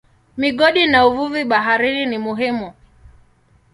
Migodi na uvuvi baharini ni muhimu.